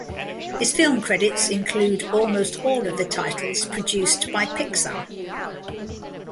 His film credits include almost all of the titles produced by Pixar.